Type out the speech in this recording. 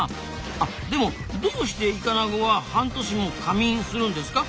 あでもどうしてイカナゴは半年も夏眠するんですか？